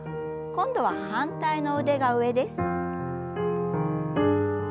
今度は反対の腕が上です。